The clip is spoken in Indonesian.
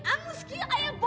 baju pengaten saya nanti amus